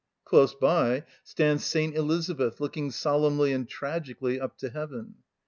Close by stands St. Elizabeth, looking solemnly and tragically up to heaven.